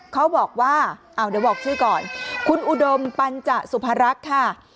เขาบอกว่าเอาเดี๋ยวบอกชื่อก่อนคุณอุดมปัญจสุภารักษ์ค่ะ